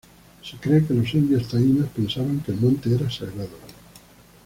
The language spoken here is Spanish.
Se cree que los indios taínos pensaban que el monte era sagrado.